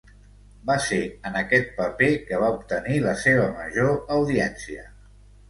Va ser en aquest paper que va obtenir la seva major audiència.